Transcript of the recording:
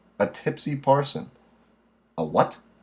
"A tipsy parson." "A what?"